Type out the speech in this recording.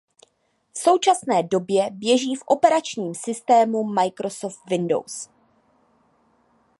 V současné době běží v operačním systému Microsoft Windows.